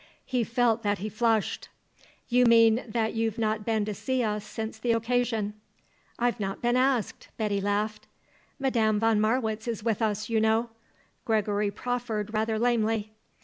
He felt that he flushed. "You mean that you've not been to see us since the occasion." "I've not been asked!" Betty laughed. "Madame von Marwitz is with us, you know," Gregory proffered rather lamely.